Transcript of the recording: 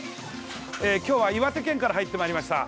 今日は、岩手県から入ってまいりました。